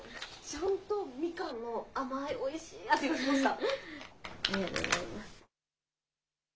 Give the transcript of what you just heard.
ちゃんとミカンの甘いおいしい味がしました。